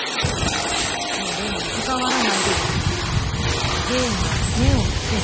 もう礼には関わらないで頂けますか？